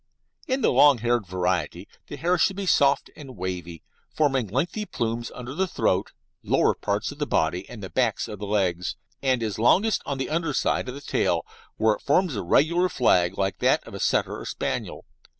In the long haired variety the hair should be soft and wavy, forming lengthy plumes under the throat, lower parts of the body, and the backs of the legs, and it is longest on the under side of the tail, where it forms a regular flag like that of a Setter or Spaniel.